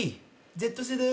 Ｚ世代。